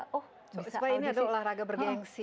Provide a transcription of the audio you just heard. supaya ini ada olahraga bergensi